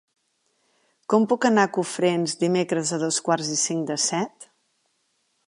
Com puc anar a Cofrents dimecres a dos quarts i cinc de set?